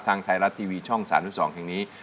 ทางไทยรัฐทีวีช่อง๓๒แห่งนี้